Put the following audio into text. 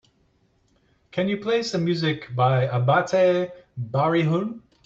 Can you play some music by Abatte Barihun?